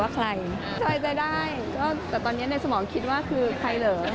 พี่แสนดีเนอะ